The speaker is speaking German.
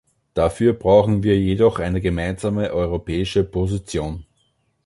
Dafür brauchen wir jedoch eine gemeinsame europäische Position.